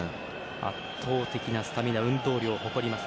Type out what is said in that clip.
圧倒的なスタミナ運動量を誇ります